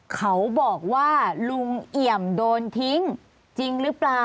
เขาบอกว่าลุงเอี่ยมโดนทิ้งจริงหรือเปล่า